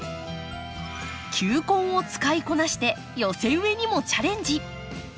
球根を使いこなして寄せ植えにもチャレンジ。